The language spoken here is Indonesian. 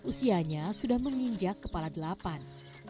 maklum saja usianya sudah menginjak kepala delapan